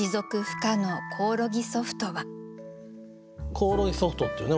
コオロギソフトっていうね